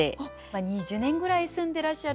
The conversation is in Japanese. ２０年ぐらい住んでらっしゃるのかな？